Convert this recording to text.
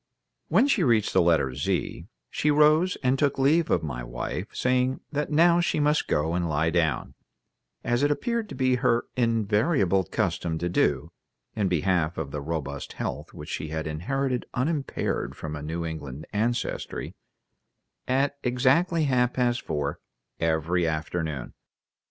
When she reached the letter Z, she rose and took leave of my wife, saying that now she must go and lie down, as it appeared to be her invariable custom to do (in behalf of the robust health which she had inherited unimpaired from a New England ancestry), at exactly half past four every afternoon.